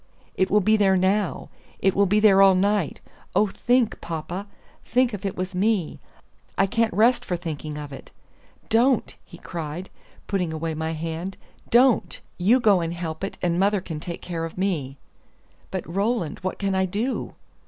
"It will be there now! it will be there all the night! Oh, think, papa, think if it was me! I can't rest for thinking of it. Don't!" he cried, putting away my hand, "don't! You go and help it, and mother can take care of me." "But, Roland, what can I do?"